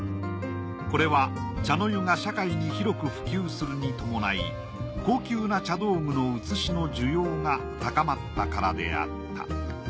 これは茶の湯が社会に広く普及するに伴い高級な茶道具の写しの需要が高まったからであった。